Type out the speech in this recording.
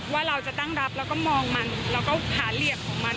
ว่าเราจะตั้งรับแล้วก็มองมันแล้วก็หาเหลี่ยมของมัน